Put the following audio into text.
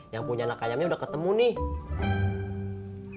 yang punya anak ayamnya udah ketemu nih